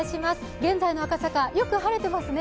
現在の赤坂、よく晴れてますね。